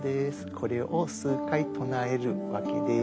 これを数回唱えるわけです。